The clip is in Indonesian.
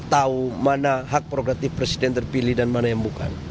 tahu mana hak progratif presiden terpilih dan mana yang bukan